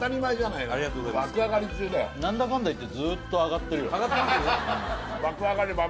なんだかんだいってずっと上がってるよ爆